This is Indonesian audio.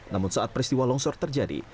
namun saat peristiwa longsor terjadi